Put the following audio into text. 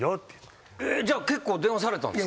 じゃあ結構電話されたんですか？